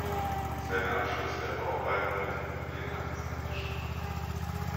Seit Abschluss der Bauarbeiten wird die Brücke nachts angestrahlt.